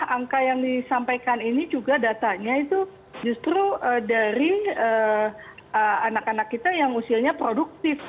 angka yang disampaikan ini juga datanya itu justru dari anak anak kita yang usianya produktif